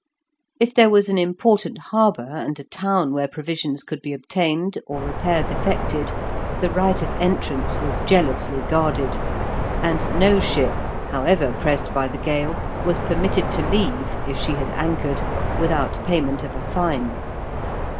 If there was an important harbour and a town where provisions could be obtained, or repairs effected, the right of entrance was jealously guarded, and no ship, however pressed by the gale, was permitted to leave, if she had anchored, without payment of a fine.